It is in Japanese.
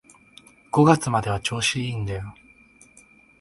五月までは調子いいんだよ